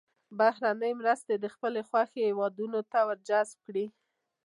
بهرنۍ مرستې د خپلې خوښې هېوادونو ته ور جذب کړي.